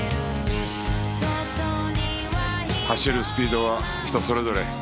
走るスピードは人それぞれ。